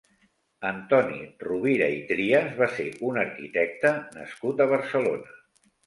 Antoni Rovira i Trias va ser un arquitecte nascut a Barcelona.